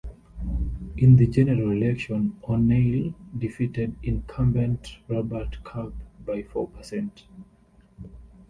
In the general election, O'Neill defeated incumbent Robert Cupp by four percent.